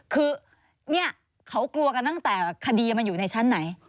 คือเนี่ยเขากลัวกันตั้งแต่คดีมันอยู่ในชั้นไหน